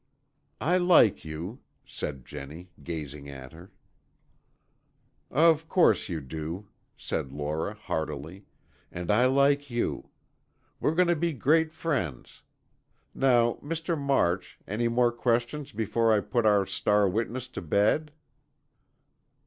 "I like you," said Jennie, gazing at her. "Of course you do," said Lora, heartily, "and I like you. We're going to be great friends. Now, Mr. March, any more questions before I put our star witness to bed?"